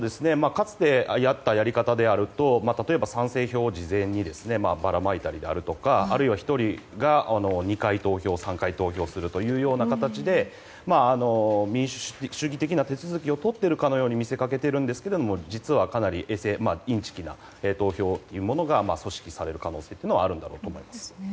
かつてやったやり方であると例えば賛成票を事前にばらまいたりだとかあるいは１人が２回投票３回投票するという形で民主主義的な手続きをとっているかのように見せかけているんですけども実はかなりインチキな投票が組織される可能性というのはあるんだろうと思います。